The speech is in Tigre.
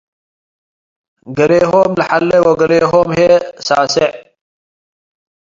ገሌሆም ለሐሌ ወገሌሆም ህዬ ሰሴዕ ።